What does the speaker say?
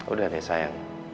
udah deh sayang